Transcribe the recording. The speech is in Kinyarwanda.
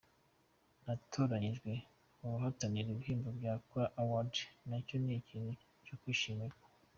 Natoranyijwe mu bahatanira ibihembo bya Kora Awards, nacyo ni ikintu cyo kwishimira.